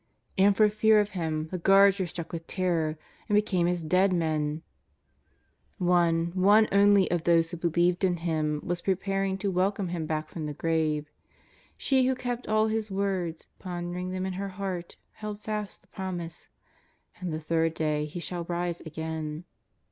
And for fear of him the guards were struck with terror and became as dead men. One, one only of those who believed in Him was 373 374 JESUS OF NAZARETH. preparing to welcome Him back from the grave. Slie who kept all His w^ords, pondering them in her heart, held fast the promise: '^ and the third day He shall rise again."